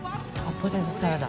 「ポテトサラダ」